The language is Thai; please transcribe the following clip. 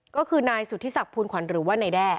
ก็คือนายสุธิศักดิภูลขวัญหรือว่านายแด้